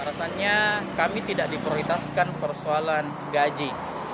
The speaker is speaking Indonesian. alasannya kami tidak diprioritaskan persoalan gaji